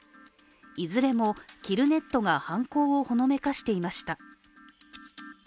いずれもキルネットが犯行をほのめかしていました。